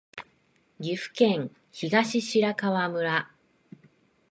岐阜県東白川村